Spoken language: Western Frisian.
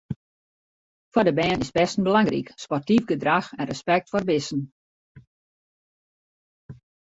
Foar de bern is pesten belangryk, sportyf gedrach en respekt foar bisten.